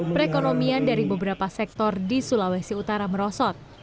perekonomian dari beberapa sektor di sulawesi utara merosot